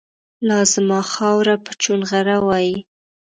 لازما خاوره به چونغره وایي